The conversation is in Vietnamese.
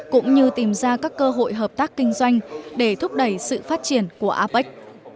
cũng như tìm ra các cơ hội hợp tác kinh doanh để thúc đẩy sự phát triển của apec